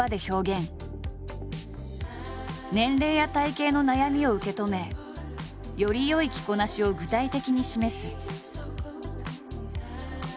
年齢や体形の悩みを受け止めより良い着こなしを具体的に示す。